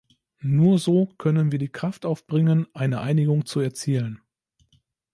Nur so können wir die Kraft aufbringen, eine Einigung zu erzielen.